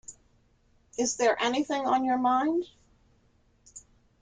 Is there anything on your mind?